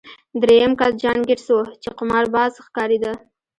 درېیم کس جان ګیټس و چې قمارباز ښکارېده